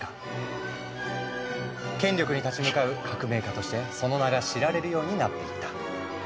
権力に立ち向かう革命家としてその名が知られるようになっていった。